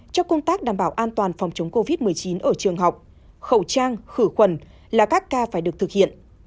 trong công tác đảm bảo an toàn phòng chống covid một mươi chín ở trường học khẩu trang khử khuẩn là các ca phải được thực hiện